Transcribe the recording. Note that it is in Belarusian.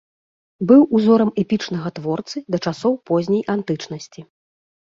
Быў узорам эпічнага творцы да часоў позняй антычнасці.